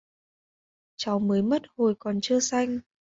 cháu mới mất hồi còn chưa xanh